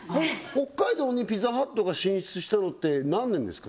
北海道にピザハットが進出したのって何年ですか？